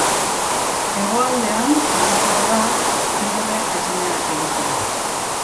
Hegoaldean ohikoa da, tigre esnea egitea.